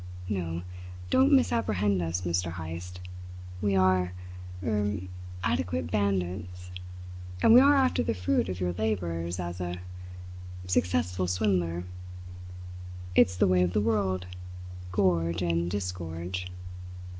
No, don't misapprehend us, Mr. Heyst. We are er adequate bandits; and we are after the fruit of your labours as a er successful swindler. It's the way of the world gorge and disgorge!"